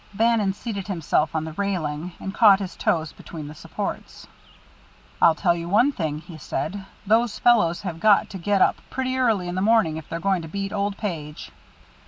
Bannon seated himself on the railing, and caught his toes between the supports. "I'll tell you one thing," he said, "those fellows have got to get up pretty early in the morning if they're going to beat old Page."